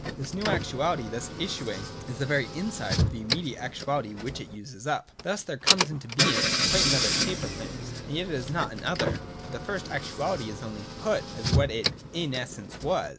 This new actuality thus issuing is the very inside of the immediate actuality which it uses up. Thus there comes into being quite an other shape of things, and yet it is not an other : for the first actuality is only put as what it in essence was.